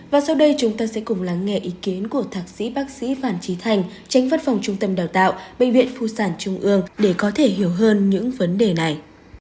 và sau đây chúng ta sẽ cùng lắng nghe ý kiến của thạc sĩ bác sĩ phan trí thành tránh văn phòng trung tâm đào tạo bệnh viện phụ sản trung ương để có thể hiểu hơn những vấn đề này